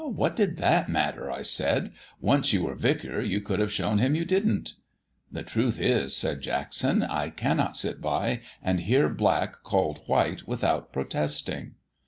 'What did that matter?' I said. 'Once you were vicar you could have shown him you didn't.' 'The truth is,' said Jackson, 'I cannot sit by and hear black called white without protesting.'